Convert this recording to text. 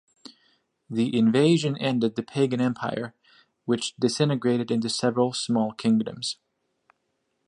The invasion ended the Pagan Empire, which disintegrated into several small kingdoms.